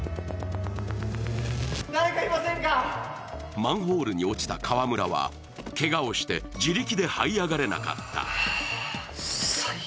マンホールに落ちた川村は、けがをして自力ではい上がれなかった。